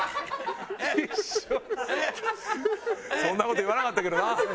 そんな事言わなかったけどな。